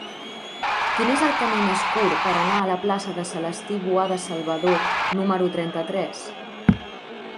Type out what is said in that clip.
Quin és el camí més curt per anar a la plaça de Celestí Boada Salvador número trenta-tres?